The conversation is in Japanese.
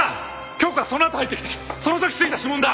響子はそのあと入ってきてその時付いた指紋だ！